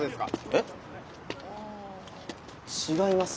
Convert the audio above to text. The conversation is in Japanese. えっあ違います。